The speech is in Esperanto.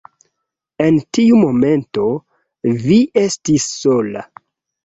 En tiu momento, vi estis sola.